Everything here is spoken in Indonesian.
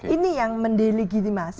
ini yang mendilegitimasi